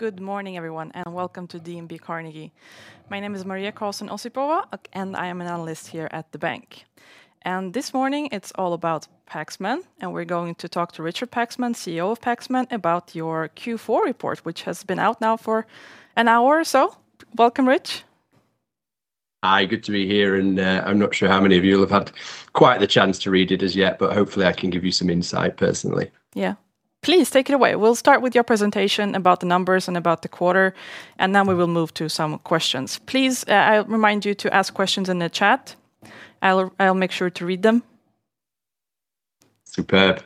Good morning, everyone, welcome to DNB Carnegie. My name is Maria Karlsson Osipova, I am an analyst here at the bank. This morning, it's all about Paxman, we're going to talk to Richard Paxman, CEO of Paxman, about your Q4 report, which has been out now for an hour or so. Welcome, Rich Hi, good to be here, and, I'm not sure how many of you will have had quite the chance to read it as yet, but hopefully, I can give you some insight personally. Yeah. Please, take it away. We'll start with your presentation about the numbers and about the quarter, then we will move to some questions. Please, I'll remind you to ask questions in the chat. I'll make sure to read them. Superb.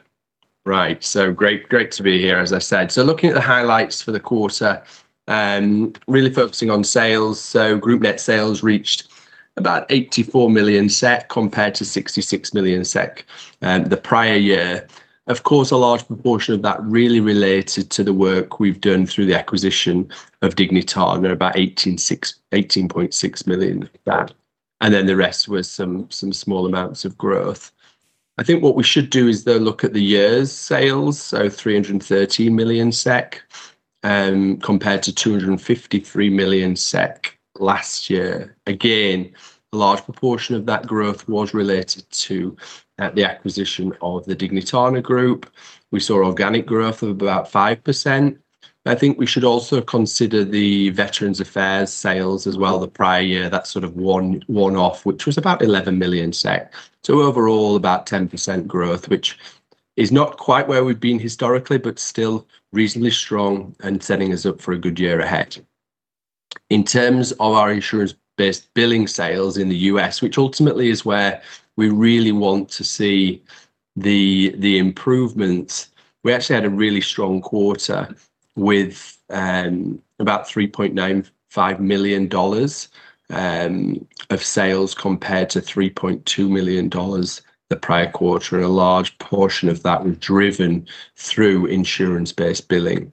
Right, great to be here, as I said. Looking at the highlights for the quarter and really focusing on sales, group net sales reached about 84 million SEK compared to 66 million SEK the prior year. Of course, a large proportion of that really related to the work we've done through the acquisition of Dignitana, about 18.6 million of that, and the rest were some small amounts of growth. I think what we should do is, though, look at the year's sales, 330 million SEK compared to 253 million SEK last year. Again, a large proportion of that growth was related to the acquisition of the Dignitana Group. We saw organic growth of about 5%. I think we should also consider the Veterans Affairs sales as well, the prior year, that sort of one-off, which was about 11 million SEK. Overall, about 10% growth, which is not quite where we've been historically, but still reasonably strong and setting us up for a good year ahead. In terms of our insurance-based billing sales in the U.S., which ultimately is where we really want to see the improvement, we actually had a really strong quarter with about $3.95 million of sales, compared to $3.2 million the prior quarter. A large portion of that was driven through insurance-based billing.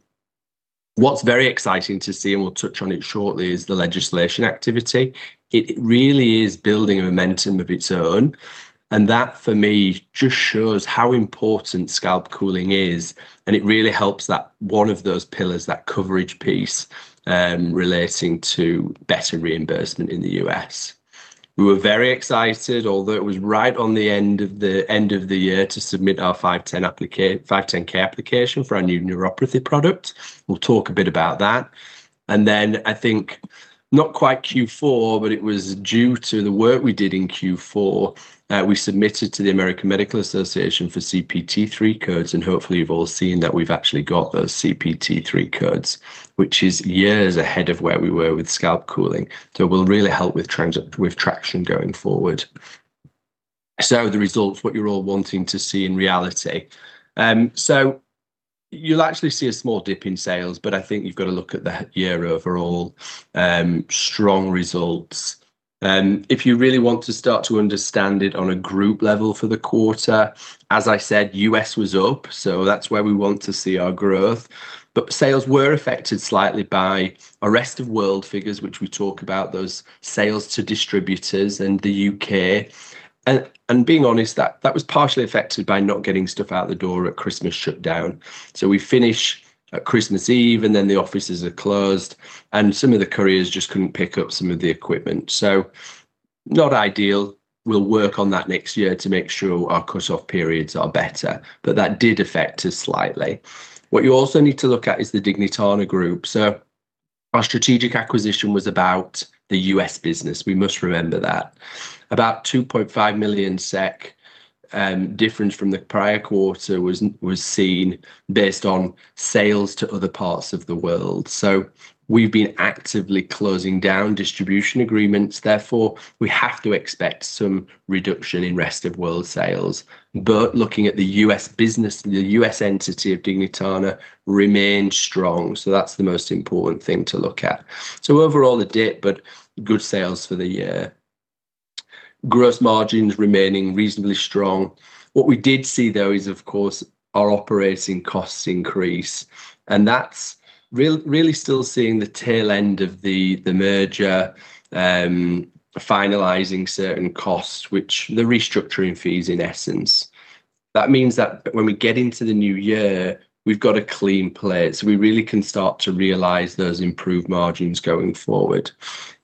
What's very exciting to see, we'll touch on it shortly, is the legislation activity. It really is building a momentum of its own, and that, for me, just shows how important scalp cooling is, and it really helps that one of those pillars, that coverage piece, relating to better reimbursement in the U.S. We were very excited, although it was right on the end of the, end of the year, to submit our 510(k) application for our new neuropathy product. We'll talk a bit about that. Then, I think, not quite Q4, but it was due to the work we did in Q4, we submitted to the American Medical Association for CPT III codes, and hopefully, you've all seen that we've actually got those CPT III codes, which is years ahead of where we were with scalp cooling, so will really help with traction going forward. The results, what you're all wanting to see in reality. You'll actually see a small dip in sales, but I think you've got to look at the year overall, strong results. If you really want to start to understand it on a group level for the quarter, as I said, U.S. was up, so that's where we want to see our growth. Sales were affected slightly by our rest of world figures, which we talk about, those sales to distributors in the U.K. Being honest, that was partially affected by not getting stuff out the door at Christmas shutdown. We finish at Christmas Eve, and then the offices are closed, and some of the couriers just couldn't pick up some of the equipment. Not ideal. We'll work on that next year to make sure our cut-off periods are better, but that did affect us slightly. What you also need to look at is the Dignitana Group. Our strategic acquisition was about the U.S. business. We must remember that. About 2.5 million SEK difference from the prior quarter was seen based on sales to other parts of the world. We've been actively closing down distribution agreements, therefore, we have to expect some reduction in rest of world sales. Looking at the U.S. business, the U.S. entity of Dignitana remains strong, that's the most important thing to look at. Overall, a dip, but good sales for the year. Gross margins remaining reasonably strong. What we did see, though, is, of course, our operating costs increase, and that's really still seeing the tail end of the merger, finalizing certain costs, which the restructuring fees, in essence. That means that when we get into the new year, we've got a clean plate, so we really can start to realize those improved margins going forward.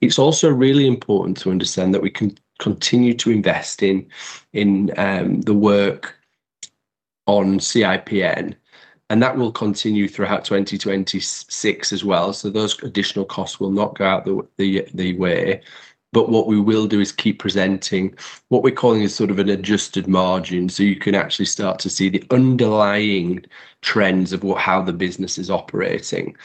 It's also really important to understand that we continue to invest in the work on CIPN, and that will continue throughout 2026 as well. Those additional costs will not go out the way, but what we will do is keep presenting what we're calling a sort of an adjusted margin, so you can actually start to see the underlying trends of how the business is operating.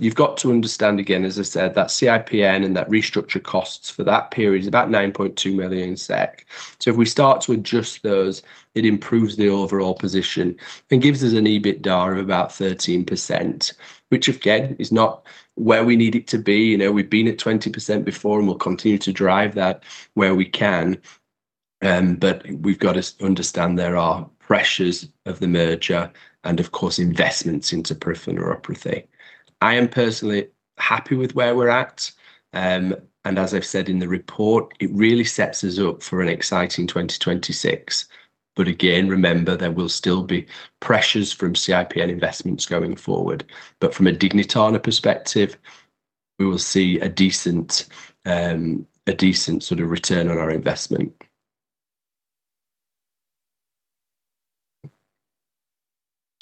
You've got to understand, again, as I said, that CIPN and that restructure costs for that period is about 9.2 million SEK. If we start to adjust those, it improves the overall position and gives us an EBITDA of about 13%, which again, is not where we need it to be. You know, we've been at 20% before, and we'll continue to drive that where we can. We've got to understand there are pressures of the merger and, of course, investments into peripheral neuropathy. I am personally happy with where we're at. As I've said in the report, it really sets us up for an exciting 2026. Again, remember, there will still be pressures from CIP and investments going forward. From a Dignitana perspective, we will see a decent sort of return on our investment.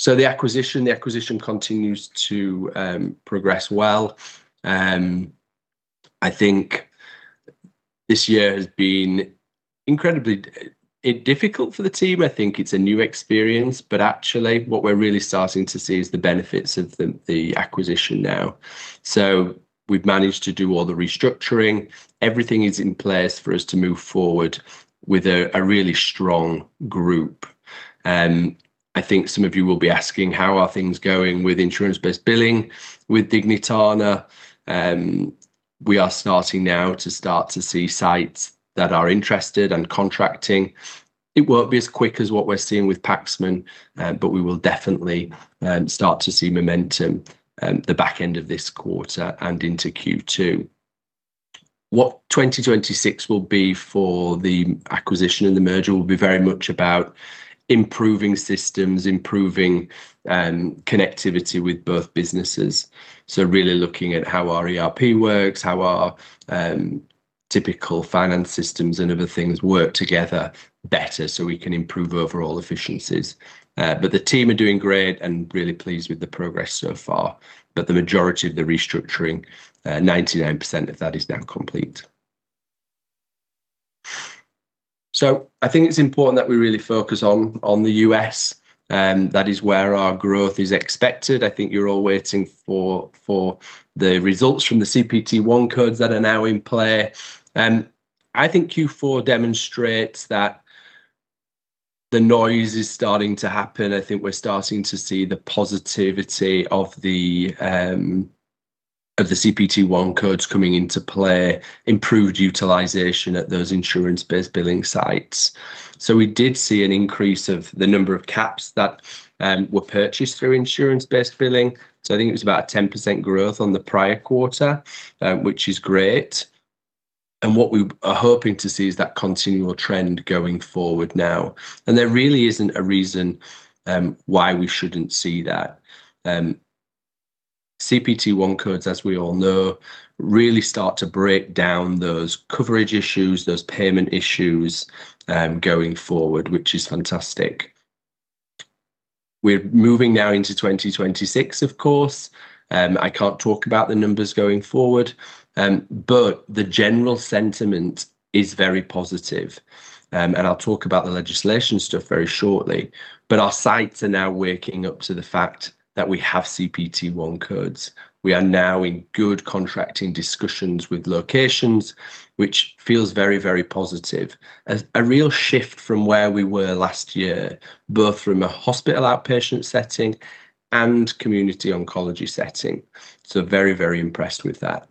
The acquisition continues to progress well. I think this year has been incredibly difficult for the team. I think it's a new experience, but actually what we're really starting to see is the benefits of the acquisition now. We've managed to do all the restructuring. Everything is in place for us to move forward with a really strong group. I think some of you will be asking, how are things going with insurance-based billing with Dignitana? We are starting now to see sites that are interested and contracting. It won't be as quick as what we're seeing with Paxman, but we will definitely start to see momentum at the back end of this quarter and into Q2. What 2026 will be for the acquisition and the merger will be very much about improving systems, improving connectivity with both businesses. Really looking at how our ERP works, how our typical finance systems and other things work together better, so we can improve overall efficiencies. The team are doing great and really pleased with the progress so far. The majority of the restructuring, 99% of that is now complete. I think it's important that we really focus on the U.S., that is where our growth is expected. I think you're all waiting for the results from the CPT I codes that are now in play. I think Q4 demonstrates that the noise is starting to happen. I think we're starting to see the positivity of the CPT I codes coming into play, improved utilization at those insurance-based billing sites. We did see an increase of the number of caps that were purchased through insurance-based billing. I think it was about a 10% growth on the prior quarter, which is great, and what we are hoping to see is that continual trend going forward now. There really isn't a reason why we shouldn't see that. CPT I codes, as we all know, really start to break down those coverage issues, those payment issues going forward, which is fantastic. We're moving now into 2026, of course. I can't talk about the numbers going forward, but the general sentiment is very positive. I'll talk about the legislation stuff very shortly, our sites are now waking up to the fact that we have CPT I codes. We are now in good contracting discussions with locations, which feels very, very positive. A real shift from where we were last year, both from a hospital outpatient setting and community oncology setting. Very, very impressed with that.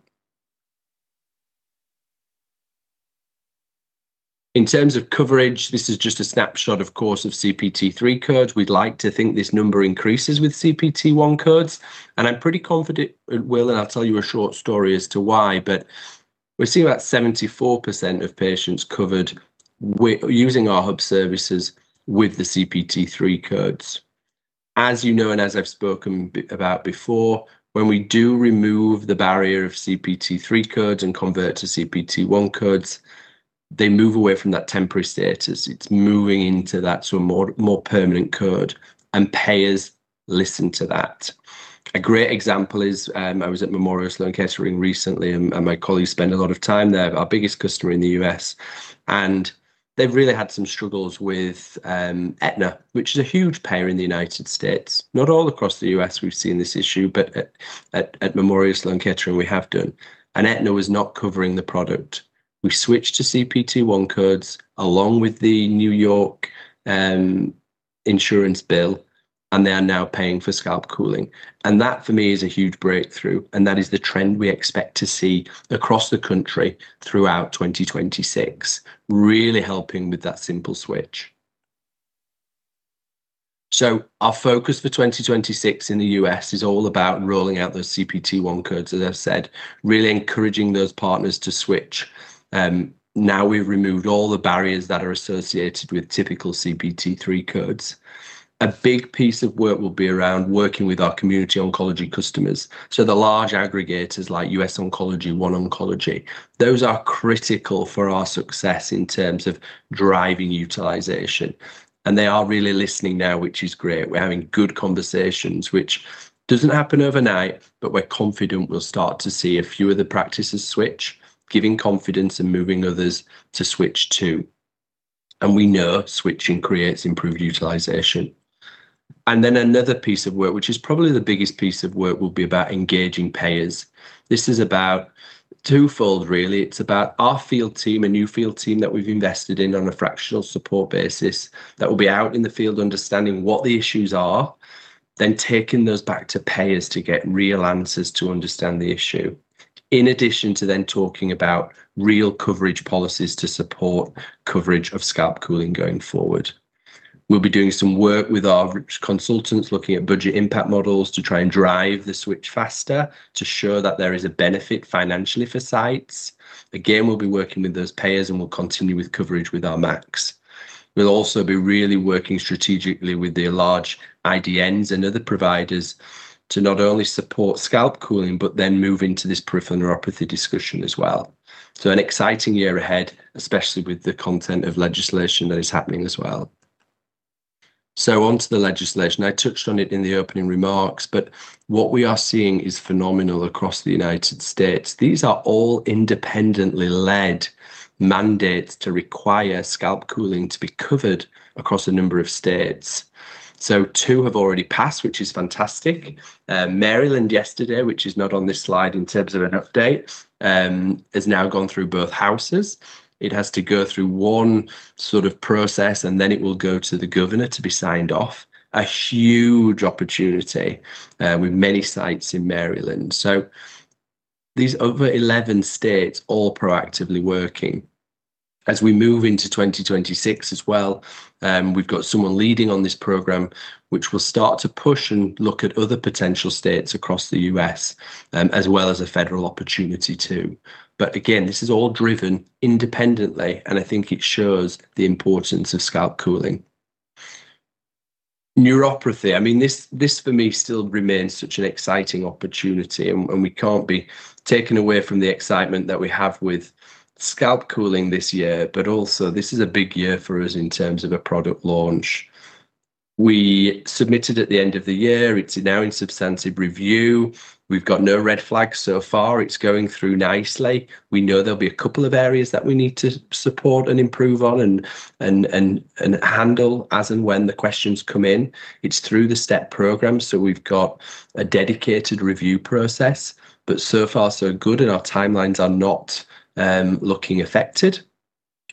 In terms of coverage, this is just a snapshot, of course, of CPT III codes. We'd like to think this number increases with CPT I codes, and I'm pretty confident it will, and I'll tell you a short story as to why. We see about 74% of patients using our hub services with the CPT III codes. As you know, and as I've spoken about before, when we do remove the barrier of CPT III codes and convert to CPT I codes, they move away from that temporary status. It's moving into that to a more permanent code, and payers listen to that. A great example is, I was at Memorial Sloan Kettering recently, and my colleagues spend a lot of time there, our biggest customer in the U.S. They've really had some struggles with Aetna, which is a huge payer in the United States. Not all across the U.S. we've seen this issue, but at Memorial Sloan Kettering, we have done. Aetna was not covering the product. We switched to CPT I codes along with the New York insurance bill, and they are now paying for scalp cooling. That, for me, is a huge breakthrough, and that is the trend we expect to see across the country throughout 2026, really helping with that simple switch. Our focus for 2026 in the U.S. is all about rolling out those CPT Category I codes, as I've said, really encouraging those partners to switch. Now we've removed all the barriers that are associated with typical CPT Category III codes. A big piece of work will be around working with our community oncology customers, so the large aggregators like U.S. Oncology, OneOncology. Those are critical for our success in terms of driving utilization. They are really listening now, which is great. We're having good conversations, which doesn't happen overnight, but we're confident we'll start to see a few of the practices switch, giving confidence and moving others to switch, too. We know switching creates improved utilization. Another piece of work, which is probably the biggest piece of work, will be about engaging payers. This is about twofold, really. It's about our field team, a new field team that we've invested in on a fractional support basis, that will be out in the field understanding what the issues are, then taking those back to payers to get real answers to understand the issue. In addition to then talking about real coverage policies to support coverage of scalp cooling going forward. We'll be doing some work with our consultants, looking at budget impact models to try and drive the switch faster, to show that there is a benefit financially for sites. Again, we'll be working with those payers, and we'll continue with coverage with our MACs. We'll also be really working strategically with the large IDNs and other providers to not only support scalp cooling, but then move into this peripheral neuropathy discussion as well. An exciting year ahead, especially with the content of legislation that is happening as well. On to the legislation. I touched on it in the opening remarks, but what we are seeing is phenomenal across the United States. These are all independently led mandates to require scalp cooling to be covered across a number of states. two have already passed, which is fantastic. Maryland yesterday, which is not on this slide in terms of an update, has now gone through both houses. It has to go through one sort of process, and then it will go to the governor to be signed off. A huge opportunity with many sites in Maryland. These other 11 states all proactively working. As we move into 2026 as well, we've got someone leading on this program, which will start to push and look at other potential states across the U.S., as well as a federal opportunity, too. Again, this is all driven independently, and I think it shows the importance of scalp cooling. Neuropathy. I mean, this for me still remains such an exciting opportunity, and we can't be taken away from the excitement that we have with scalp cooling this year. Also, this is a big year for us in terms of a product launch. We submitted at the end of the year. It's now in substantive review. We've got no red flags so far. It's going through nicely. We know there'll be a couple of areas that we need to support and improve on and handle as and when the questions come in. It's through the STeP program. We've got a dedicated review process, but so far, so good, and our timelines are not looking affected.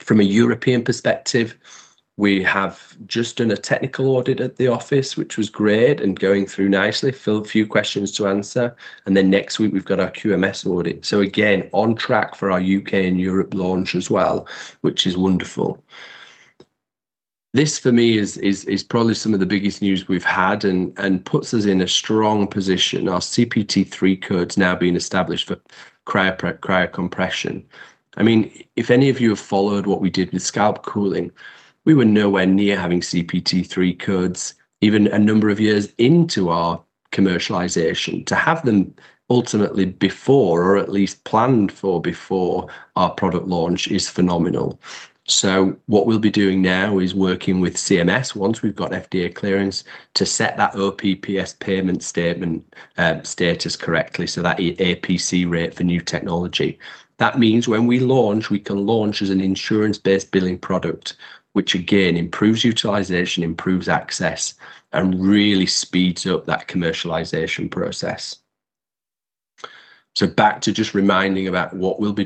From a European perspective, we have just done a technical audit at the office, which was great and going through nicely. Few questions to answer. Next week, we've got our QMS audit. Again, on track for our U.K. and Europe launch as well, which is wonderful. This, for me, is probably some of the biggest news we've had and puts us in a strong position. Our CPT III codes now being established for cryocompression. I mean, if any of you have followed what we did with scalp cooling, we were nowhere near having CPT III codes, even a number of years into our commercialization. To have them ultimately before, or at least planned for before our product launch is phenomenal. What we'll be doing now is working with CMS once we've got FDA clearance to set that OPPS payment statement, status correctly, so that APC rate for new technology. That means when we launch, we can launch as an insurance-based billing product, which again, improves utilization, improves access, and really speeds up that commercialization process. Back to just reminding about what we'll be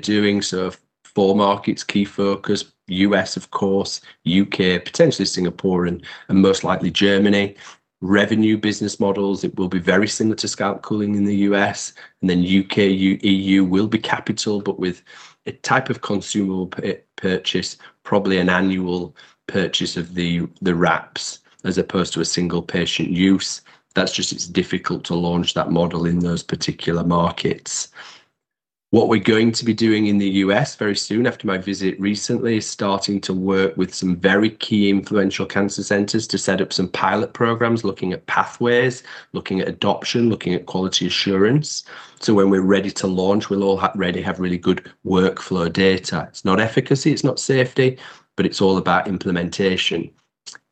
doing. Four markets, key focus, U.S., of course, U.K., potentially Singapore, and most likely Germany. Revenue business models, it will be very similar to scalp cooling in the U.S., U.K., EU, will be capital, but with a type of consumable purchase, probably an annual purchase of the wraps, as opposed to a single patient use. It's difficult to launch that model in those particular markets. What we're going to be doing in the U.S. very soon, after my visit recently, is starting to work with some very key influential cancer centers to set up some pilot programs, looking at pathways, looking at adoption, looking at quality assurance. When we're ready to launch, we'll ready have really good workflow data. It's not efficacy, it's not safety, but it's all about implementation.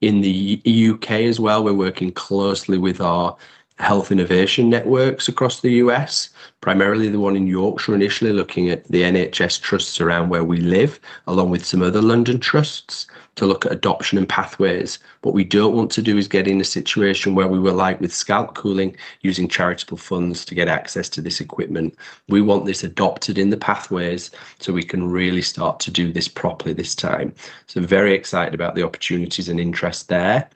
In the U.K. as well, we're working closely with our health innovation networks across the U.S., primarily the one in Yorkshire, initially looking at the NHS trusts around where we live, along with some other London trusts, to look at adoption and pathways. What we don't want to do is get in a situation where we were like with scalp cooling, using charitable funds to get access to this equipment. We want this adopted in the pathways, we can really start to do this properly this time. Very excited about the opportunities and interest there.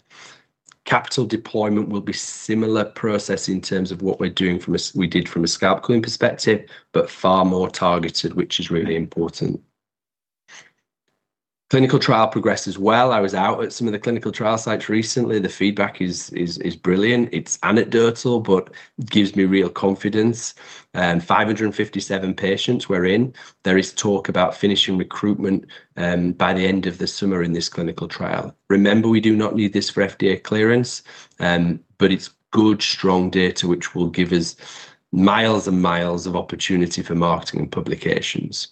Capital deployment will be similar process in terms of what we're doing. We did from a scalp cooling perspective, far more targeted, which is really important. Clinical trial progress as well. I was out at some of the clinical trial sites recently. The feedback is brilliant. It's anecdotal, but gives me real confidence. 557 patients we're in. There is talk about finishing recruitment by the end of the summer in this clinical trial. Remember, we do not need this for FDA clearance, but it's good, strong data, which will give us miles and miles of opportunity for marketing and publications.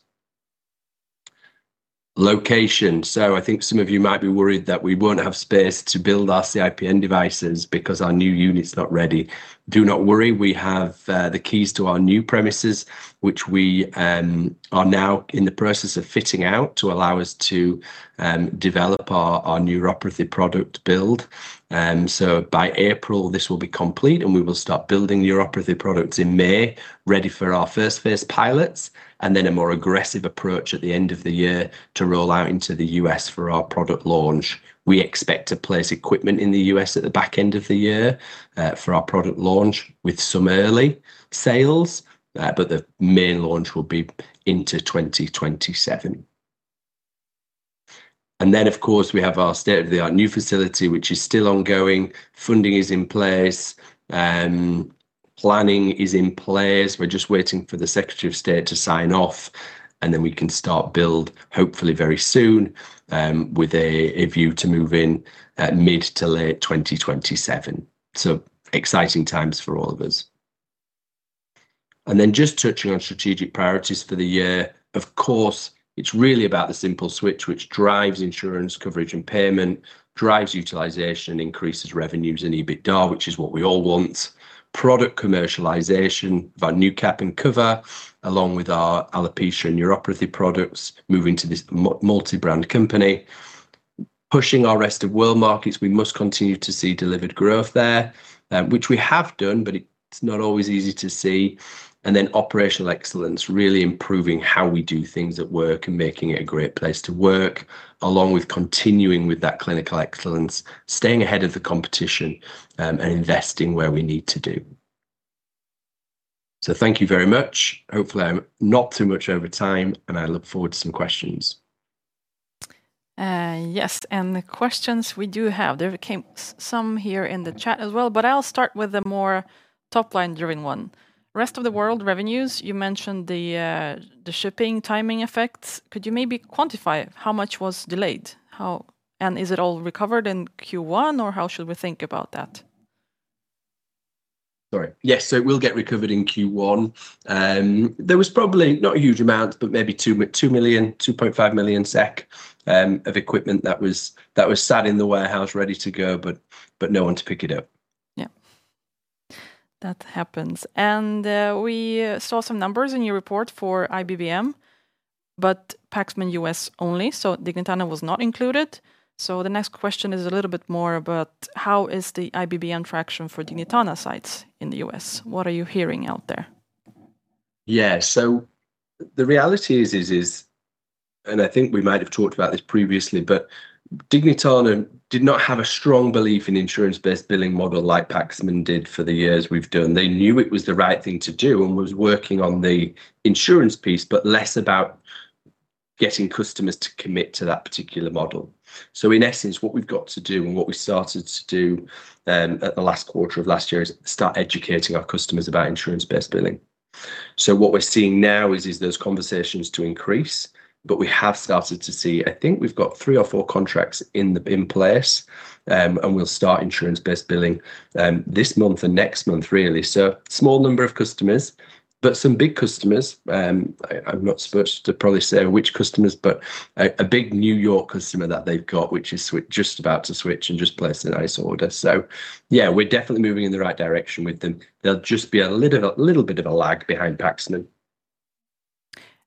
Location. I think some of you might be worried that we won't have space to build our CIPN devices because our new unit's not ready. Do not worry, we have the keys to our new premises, which we are now in the process of fitting out to allow us to develop our neuropathy product build. By April, this will be complete, and we will start building neuropathy products in May, ready for our first phase pilots, and then a more aggressive approach at the end of the year to roll out into the U.S. for our product launch. We expect to place equipment in the U.S. at the back end of the year, for our product launch, with some early sales, the main launch will be into 2027. Of course, we have our state-of-the-art new facility, which is still ongoing. Funding is in place, planning is in place. We're just waiting for the Secretary of State to sign off, we can start build, hopefully very soon, with a view to move in mid to late 2027. Exciting times for all of us. Just touching on strategic priorities for the year. Of course, it's really about the simple switch, which drives insurance coverage and payment, drives utilization, increases revenues, and EBITDA, which is what we all want. Product commercialization via new cap and cooler, along with our alopecia and neuropathy products, moving to this multibrand company. Pushing our Rest of World markets, we must continue to see delivered growth there, which we have done, but it's not always easy to see. Operational excellence, really improving how we do things at work and making it a great place to work, along with continuing with that clinical excellence, staying ahead of the competition, and investing where we need to do. Thank you very much. Hopefully, I'm not too much over time, and I look forward to some questions. Yes. The questions we do have, there came some here in the chat as well, but I'll start with a more top-line driven one. Rest of the World revenues, you mentioned the shipping timing effects. Could you maybe quantify how much was delayed? Is it all recovered in Q1, or how should we think about that? Sorry. Yes, it will get recovered in Q1. There was probably, not a huge amount, but maybe 2 million, 2.5 million SEK of equipment that was sat in the warehouse ready to go, but no one to pick it up. Yeah. That happens. We saw some numbers in your report for IBBM, but Paxman U.S. only, Dignitana was not included. The next question is a little more about how is the IBBM fraction for Dignitana sites in the U.S.? What are you hearing out there? The reality is, and I think we might have talked about this previously, but Dignitana did not have a strong belief in insurance-based billing model like Paxman did for the years we've done. They knew it was the right thing to do and was working on the insurance piece, but less about getting customers to commit to that particular model. In essence, what we've got to do and what we started to do at the last quarter of last year is start educating our customers about insurance-based billing. What we're seeing now is those conversations to increase, but we have started to see. I think we've got three or four contracts in place, and we'll start insurance-based billing this month or next month, really. Small number of customers, but some big customers. I'm not supposed to probably say which customers, but a big New York customer that they've got, which is just about to switch and just placed a nice order. Yeah, we're definitely moving in the right direction with them. There'll just be a little bit of a lag behind Paxman.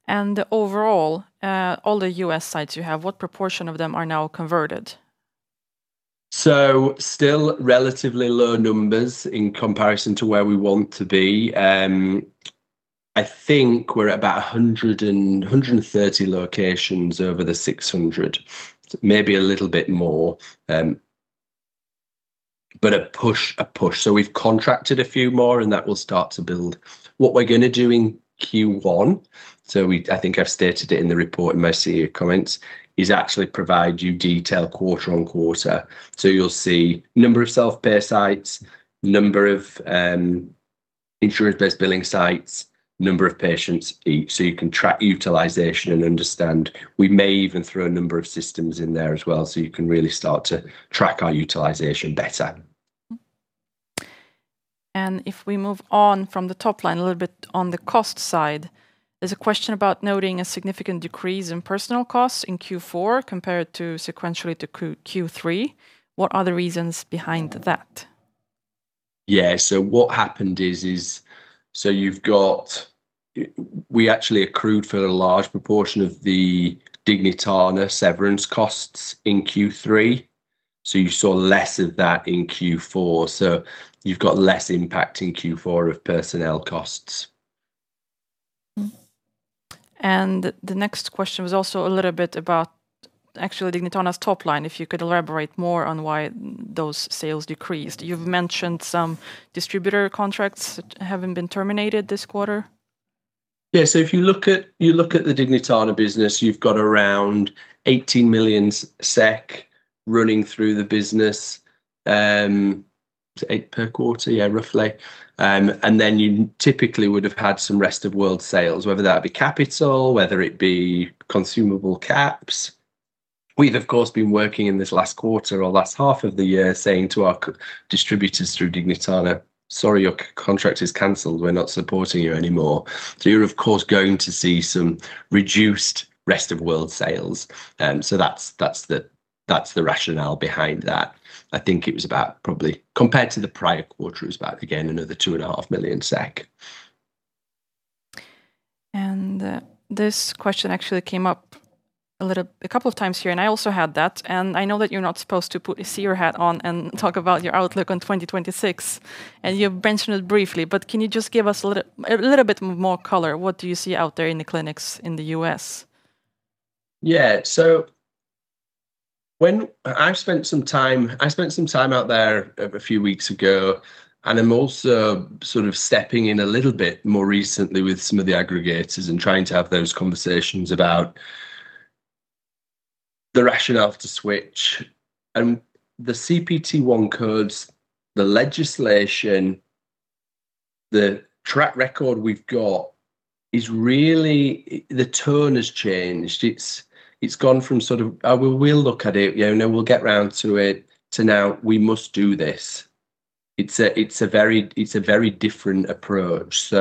Overall, all the U.S. sites you have, what proportion of them are now converted? Still relatively low numbers in comparison to where we want to be. I think we're at about 130 locations over the 600, maybe a little bit more. But a push. We've contracted a few more, and that will start to build. What we're gonna do in Q1, I think I've stated it in the report, in my CEO comments, is actually provide you detail quarter on quarter. You'll see number of self-pay sites, number of insurance-based billing sites, number of patients, each, so you can track utilization and understand. We may even throw a number of systems in there as well, so you can really start to track our utilization better. Mm-hmm. If we move on from the top line, a little bit on the cost side, there's a question about noting a significant decrease in personal costs in Q4 compared to sequentially to Q3. What are the reasons behind that? Yeah. What happened is, we actually accrued for a large proportion of the Dignitana severance costs in Q3, so you saw less of that in Q4. You've got less impact in Q4 of personnel costs. Mm-hmm. The next question was also a little bit about actually Dignitana's top line, if you could elaborate more on why those sales decreased. You've mentioned some distributor contracts that having been terminated this quarter. Yeah. If you look at the Dignitana business, you've got around 18 million SEK running through the business, eight per quarter, yeah, roughly. Then you typically would have had some Rest of World sales, whether that be capital, whether it be consumable caps. We've, of course, been working in this last quarter or last half of the year, saying to our distributors through Dignitana, "Sorry, your contract is canceled. We're not supporting you anymore." You're of course, going to see some reduced Rest of World sales. That's the rationale behind that. I think it was about probably, compared to the prior quarter, it was about, again, another 2.5 million SEK. This question actually came up a couple of times here, and I also had that. I know that you're not supposed to put a CEO hat on and talk about your outlook on 2026, and you've mentioned it briefly. Can you just give us a little bit more color? What do you see out there in the clinics in the U.S.? When I've spent some time, I spent some time out there a few weeks ago, and I'm also sort of stepping in a little bit more recently with some of the aggregators and trying to have those conversations about the rationale to switch. The CPT I codes, the legislation, the track record we've got is really. The tone has changed. It's gone from sort of, "Oh, we will look at it, you know, we'll get round to it," to now, "We must do this." It's a very different approach.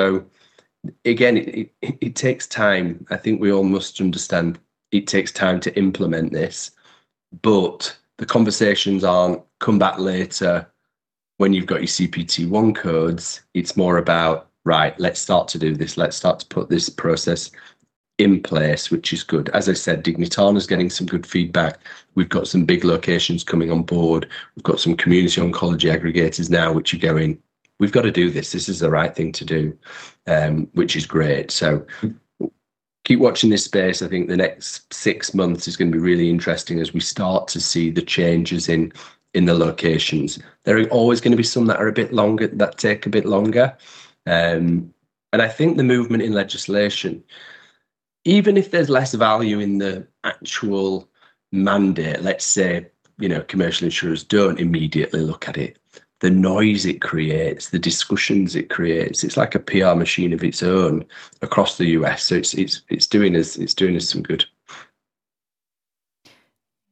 Again, it takes time. I think we all must understand it takes time to implement this, but the conversations aren't, "Come back later when you've got your CPT I codes." It's more about, "Right, let's start to do this. Let's start to put this process in place," which is good. I said, Dignitana is getting some good feedback. We've got some big locations coming on board. We've got some community oncology aggregators now, which are going, "We've got to do this. This is the right thing to do." Which is great. Keep watching this space. I think the next six months is going to be really interesting as we start to see the changes in the locations. There are always going to be some that are a bit longer, that take a bit longer. I think the movement in legislation, even if there's less value in the actual mandate, let's say, you know, commercial insurers don't immediately look at it. The noise it creates, the discussions it creates, it's like a PR machine of its own across the U.S. It's doing us some good.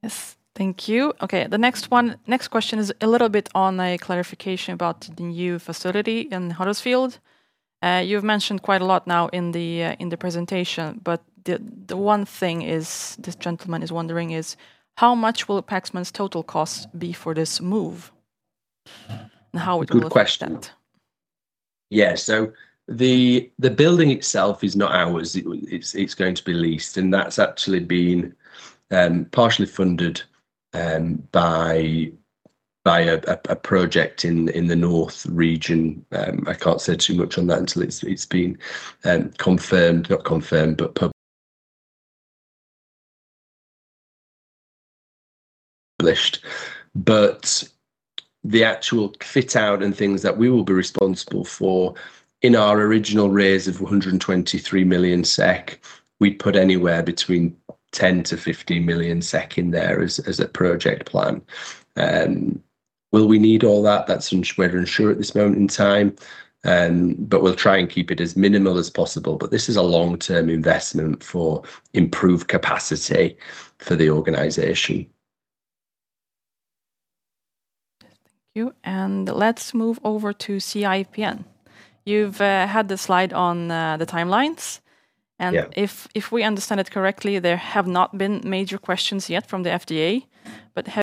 Yes, thank you. Okay, the next one, next question is a little bit on a clarification about the new facility in Huddersfield. You've mentioned quite a lot now in the presentation, the one thing is, this gentleman is wondering is, how much will Paxman's total cost be for this move, and how it will affect? Good question. The building itself is not ours. It's going to be leased, and that's actually been partially funded by a project in the North region. I can't say too much on that until it's been confirmed. Not confirmed, but published. The actual fit out and things that we will be responsible for in our original raise of 123 million SEK, we'd put anywhere between 10 million-15 million SEK in there as a project plan. Will we need all that? That's we're unsure at this moment in time, but we'll try and keep it as minimal as possible. This is a long-term investment for improved capacity for the organization. Thank you, let's move over to CIPN. You've had the slide on the timelines... Yeah. If we understand it correctly, there have not been major questions yet from the FDA.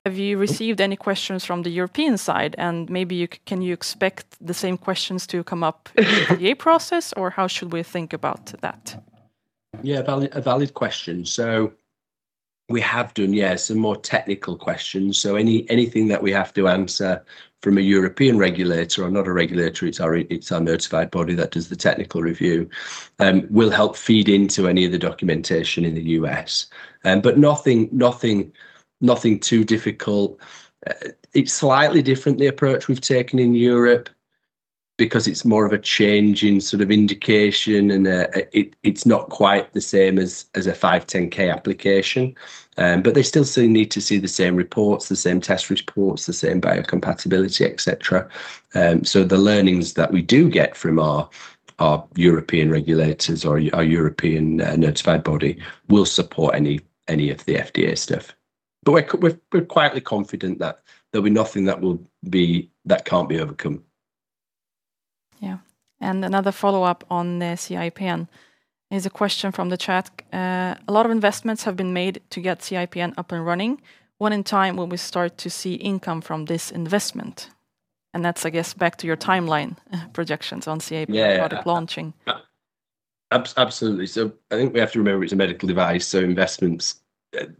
Have you received any questions from the European side? Maybe can you expect the same questions to come up in the FDA process, or how should we think about that? Yeah, valid, a valid question. We have done, yes, some more technical questions. Anything that we have to answer from a European regulator, or not a regulator, it's our, it's our notified body that does the technical review, will help feed into any of the documentation in the U.S. Nothing, nothing too difficult. It's slightly different, the approach we've taken in Europe, because it's more of a change in sort of indication, and it's not quite the same as a 510(k) application. They still need to see the same reports, the same test reports, the same biocompatibility, et cetera. The learnings that we do get from our European regulators or our European notified body will support any of the FDA stuff. We're quietly confident that there'll be nothing that can't be overcome. Yeah. Another follow-up on the CIPN. Here's a question from the chat. A lot of investments have been made to get CIPN up and running. When in time will we start to see income from this investment? That's, I guess, back to your timeline projections on CIPN- Yeah. product launching. Absolutely. I think we have to remember it's a medical device, investments,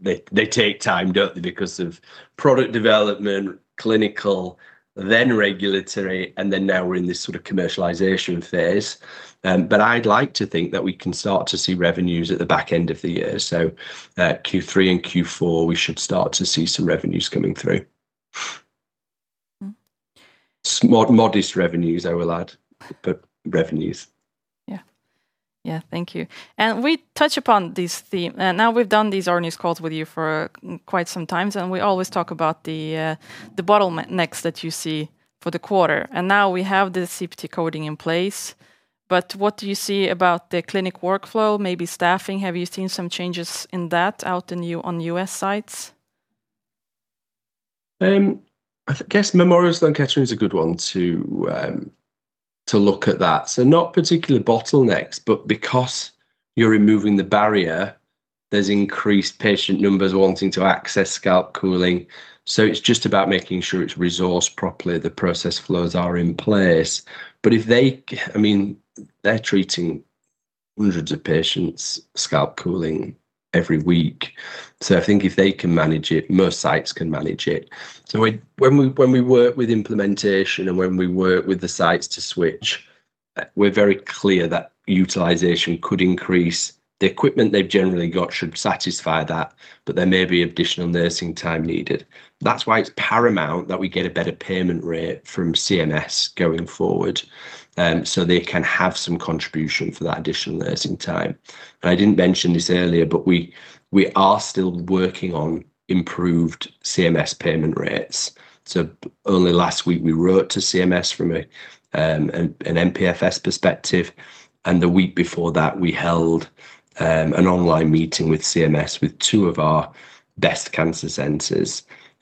they take time, don't they? Because of product development, clinical, then regulatory, and then now we're in this sort of commercialization phase. But I'd like to think that we can start to see revenues at the back end of the year. At Q3 and Q4, we should start to see some revenues coming through. Mm-hmm. modest revenues, I will add, but revenues. Yeah. Yeah, thank you. We touch upon this theme, and now we've done these earnings calls with you for quite some time, and we always talk about the bottlenecks that you see for the quarter. Now we have the CPT coding in place, but what do you see about the clinic workflow, maybe staffing? Have you seen some changes in that out in you, on U.S. sites? I guess Memorial Sloan Kettering is a good one to look at that. Not particular bottlenecks, but because you're removing the barrier, there's increased patient numbers wanting to access scalp cooling. It's just about making sure it's resourced properly, the process flows are in place. I mean, they're treating hundreds of patients, scalp cooling every week. I think if they can manage it, most sites can manage it. When we work with implementation and when we work with the sites to switch, we're very clear that utilization could increase. The equipment they've generally got should satisfy that, but there may be additional nursing time needed. That's why it's paramount that we get a better payment rate from CMS going forward, so they can have some contribution for that additional nursing time. I didn't mention this earlier, but we are still working on improved CMS payment rates. Only last week, we wrote to CMS from an MPFS perspective, and the week before that, we held an online meeting with CMS, with two of our best cancer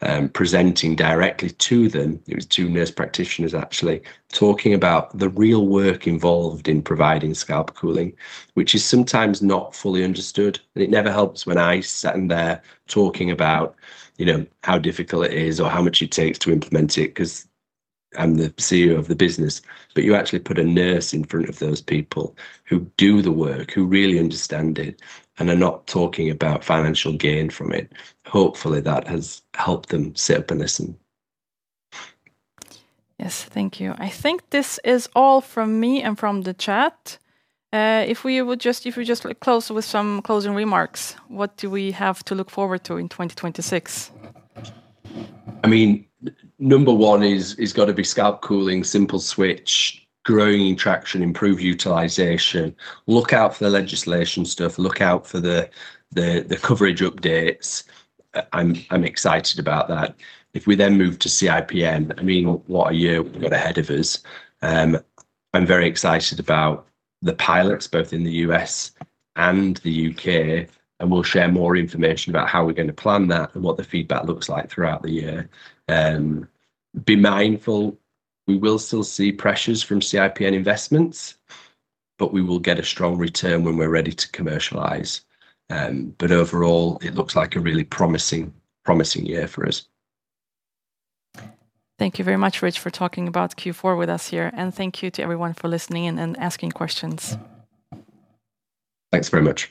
centers, presenting directly to them. It was two nurse practitioners actually talking about the real work involved in providing scalp cooling, which is sometimes not fully understood. It never helps when I sit in there talking about, you know, how difficult it is or how much it takes to implement it, because I'm the CEO of the business. You actually put a nurse in front of those people who do the work, who really understand it, and are not talking about financial gain from it. Hopefully, that has helped them sit up and listen. Yes, thank you. I think this is all from me and from the chat. If we just close with some closing remarks, what do we have to look forward to in 2026? I mean, number one is gotta be scalp cooling, simple switch, growing in traction, improve utilization. Look out for the legislation stuff, look out for the coverage updates. I'm excited about that. We then move to CIPN, I mean, what a year we've got ahead of us. I'm very excited about the pilots, both in the U.S. and the U.K., and we'll share more information about how we're going to plan that and what the feedback looks like throughout the year. Be mindful, we will still see pressures from CIPN investments, but we will get a strong return when we're ready to commercialize. Overall, it looks like a really promising year for us. Thank you very much, Rich, for talking about Q4 with us here. Thank you to everyone for listening in and asking questions. Thanks very much.